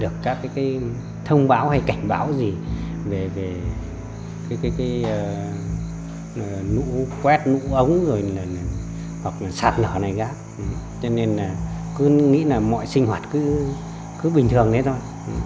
cứ nghĩ là mọi sinh hoạt cứ bình thường đấy thôi